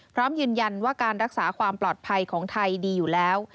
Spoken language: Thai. พร้อมยืนยันว่าการรักษาความปลอดภัยของไทยดีอยู่แล้ว